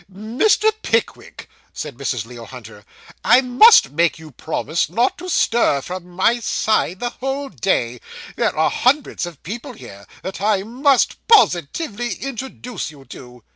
'Mr. Pickwick,' said Mrs. Leo Hunter, 'I must make you promise not to stir from my side the whole day. There are hundreds of people here, that I must positively introduce you to.